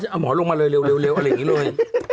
เอาหมอลงมาเลยเร็วอะไรอย่างนี้เลย